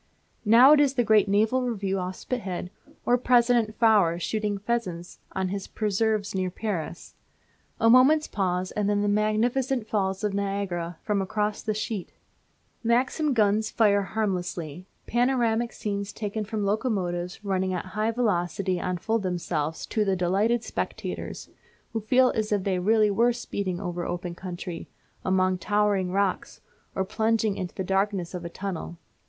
Now it is the great Naval Review off Spithead, or President Faure shooting pheasants on his preserves near Paris. A moment's pause and then the magnificent Falls of Niagara foam across the sheet; Maxim guns fire harmlessly; panoramic scenes taken from locomotives running at high velocity unfold themselves to the delighted spectators, who feel as if they really were speeding over open country, among towering rocks, or plunging into the darkness of a tunnel.